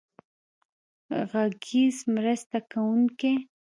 غږیز مرسته کوونکی.